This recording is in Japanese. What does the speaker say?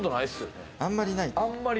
あまりない。